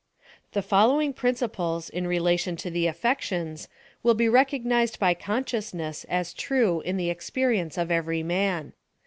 The following principles in relation to the affec tions will be recognised by consciousness as true in the experience of every man.